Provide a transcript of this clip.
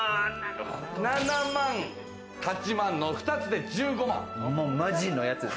７万、８万の２つで１５万。